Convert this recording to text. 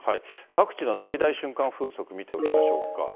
各地の最大瞬間風速見ておきましょうか。